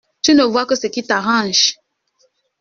Tu ne vois que ce qui t’arrange.